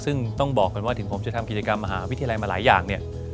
ซึ่งต้องบอกกันว่าถึงผมจะทำกิจกรรมมหาวิทยาลัยมาหลายอย่างเนี่ย